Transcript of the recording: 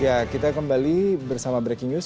ya kita kembali bersama breaking news